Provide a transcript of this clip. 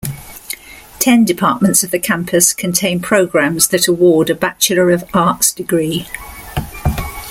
Ten departments of the campus contain programs that award a Bachelor of Arts degree.